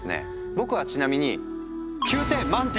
僕はちなみに９点！